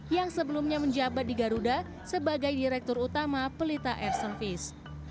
yang sebelumnya menjabat di garuda sebagai direktur utama pelita air service